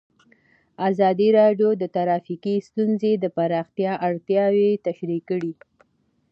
ازادي راډیو د ټرافیکي ستونزې د پراختیا اړتیاوې تشریح کړي.